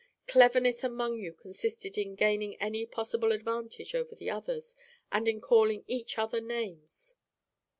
Cleverness among you consisted in gaining any possible advantage over the others and in calling each other names.